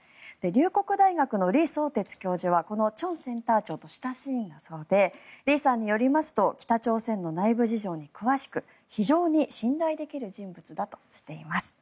龍谷大学の李相哲教授はこのチョンセンター長と親しいんだそうで李さんによりますと北朝鮮の内部事情に詳しく非常に信頼できる人物だとしています。